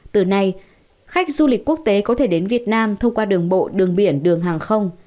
từ nay khách du lịch quốc tế có thể đến việt nam thông qua đường bộ đường biển đường hàng không